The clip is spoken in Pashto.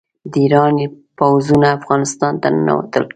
د ایران پوځونه افغانستان ته ننوتل.